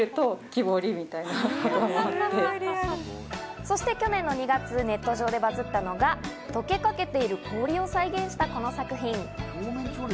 そして去年の２月、ネット上でバズったのが溶けかけている氷を再現したこの作品。